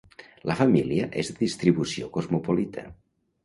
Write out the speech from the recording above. La família és de distribució cosmopolita.